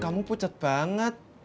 kamu pucet banget